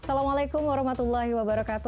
assalamualaikum warahmatullahi wabarakatuh